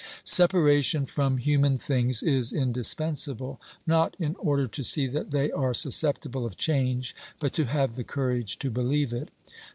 Separation from human things is indispensable, not in order to see that they are susceptible of change, but to have the courage to believe it.